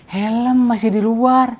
helm masih di luar